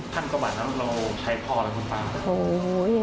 พันกว่าบาทนั้นเราใช้พออะไรคุณฟ้า